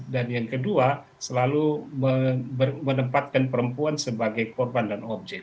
dan yang kedua selalu menempatkan perempuan sebagai korban dan objek